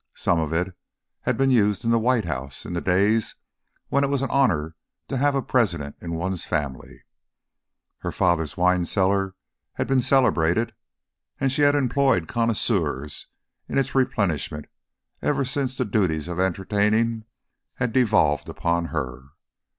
Some of it had been used in the White House in the days when it was an honour to have a President in one's family. Her father's wine cellar had been celebrated, and she had employed connoisseurs in its replenishment ever since the duties of entertaining had devolved upon her.